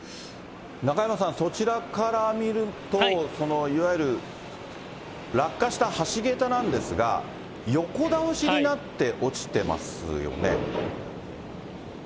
中山さん、そちらから見ると、いわゆる落下した橋桁なんですが、横倒しになって落ちてますよね。